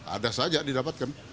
ada saja didapatkan